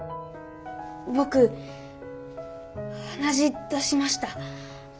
僕鼻血出しました。